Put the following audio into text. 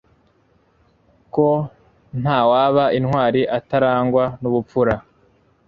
kuko ntawaba intwari atarangwa n'ubupfura